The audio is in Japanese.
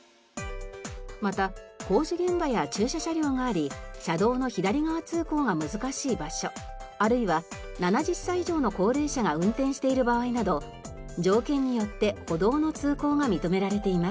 また工事現場や駐車車両があり車道の左側通行が難しい場所あるいは７０歳以上の高齢者が運転している場合など条件によって歩道の通行が認められています。